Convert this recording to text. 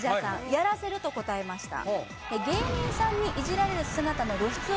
「やらせる」と答えました